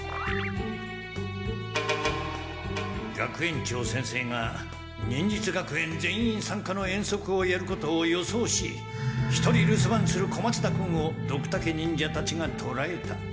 学園長先生が忍術学園全員さんかの遠足をやることを予想し一人留守番する小松田君をドクタケ忍者たちがとらえた。